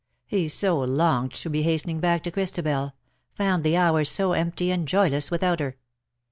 He so longed to be hastening back to Chris tabel — found the hours so empty and joyless without her.